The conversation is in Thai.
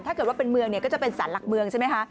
ถ้าเกิดว่าเป็นเมืองเนี่ยก็จะเป็นสารหลักเมืองใช่ไหมคะ